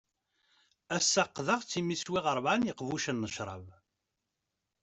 Ass-a qqdeɣ-tt imi swiɣ rebɛa n yiqbucen n cṛab.